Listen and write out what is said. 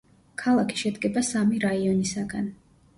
ქალაქი შედგება სამი რაიონისაგან.